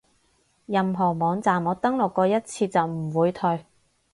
任何網站我登錄過一次就唔會退